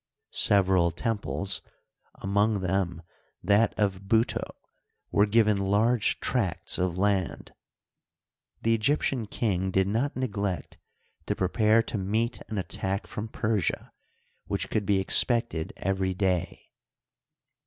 Several temples, among them that of Buto, were g^ven large tracts of land. The Egyptian king did not neglect to prepare to meet an attack from Persia which could be expected every day.